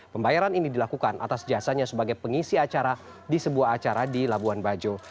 pembayaran ini dilakukan atas jasanya sebagai pengisi acara di sebuah acara di labuan bajo